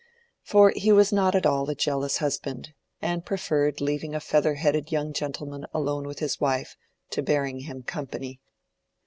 For he was not at all a jealous husband, and preferred leaving a feather headed young gentleman alone with his wife to bearing him company.